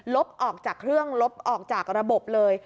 บออกจากเครื่องลบออกจากระบบเลย